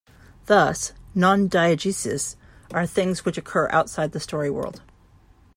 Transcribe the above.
Thus, non-diegesis are things which occur outside the story-world.